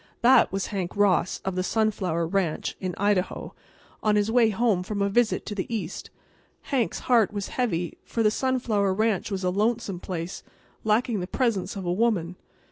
That was Hank Ross, of the Sunflower Ranch, in Idaho, on his way home from a visit to the East. Hank's heart was heavy, for the Sunflower Ranch was a lonesome place, lacking the presence of a woman.